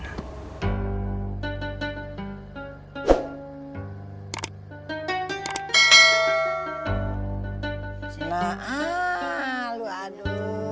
nah lu aduh